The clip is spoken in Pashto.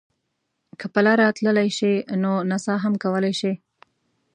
که په لاره تللی شئ نو نڅا هم کولای شئ.